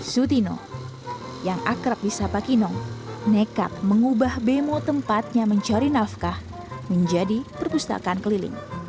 sutino yang akrab di sapa kinong nekat mengubah bemo tempatnya mencari nafkah menjadi perpustakaan keliling